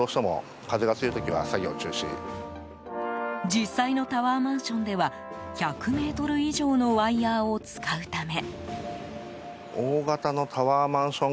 実際のタワーマンションでは１００ｍ以上のワイヤを使うため。